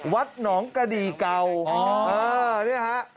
วัดหนองกระดีเก่าเนี่ยฮะ